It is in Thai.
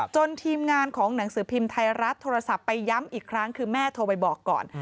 ทีมงานของหนังสือพิมพ์ไทยรัฐโทรศัพท์ไปย้ำอีกครั้งคือแม่โทรไปบอกก่อน